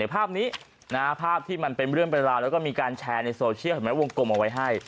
ภาพนี้ภาพที่มันเป็นเรื่องเป็นราวแล้วก็มีการแชร์ในโซเชียลเห็นไหมวงกลมเอาไว้ให้